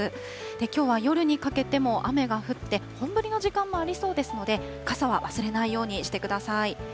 きょうは夜にかけても雨が降って、本降りの時間もありそうですので、傘は忘れないようにしてください。